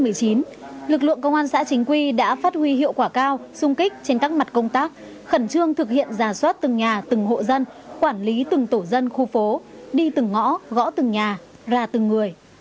lực lượng công an xã chính quy đã phát huy hiệu quả cao sung kích trên các mặt công tác khẩn trương thực hiện giả soát từng nhà từng hộ dân quản lý từng tổ dân khu phố đi từng ngõ gõ từng nhà và từng người